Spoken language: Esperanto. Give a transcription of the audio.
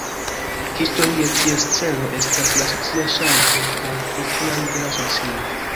Historie ties celo estas la socia ŝanĝo al futura libera socio.